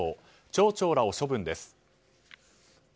町長らを処分です。